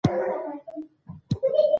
بیا نو ګرځه